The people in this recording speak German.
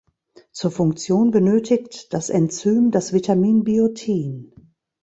Zur Funktion benötigt das Enzym das Vitamin Biotin.